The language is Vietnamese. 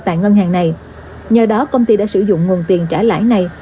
tại ngân hàng này nhờ đó công ty đã sử dụng nguồn tiền trả lãi này